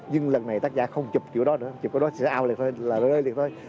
nhưng lần này tác giả không chụp chỗ đó nữa chụp cái đó sẽ ao lại là rơi lại thôi